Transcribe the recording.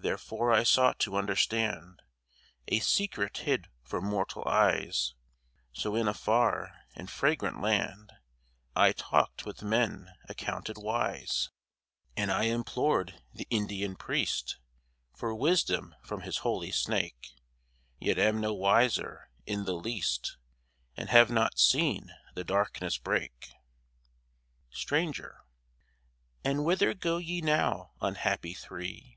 Therefore I sought to understand A secret hid from mortal eyes, So in a far and fragrant land I talked with men accounted wise, And I implored the Indian priest For wisdom from his holy snake, Yet am no wiser in the least, And have not seen the darkness break. STRANGER And whither go ye now, unhappy three?